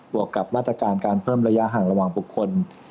วกกับมาตรการการเพิ่มระยะห่างระหว่างบุคคล